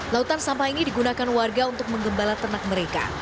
lautan sampah ini digunakan warga untuk mengembalat tenak mereka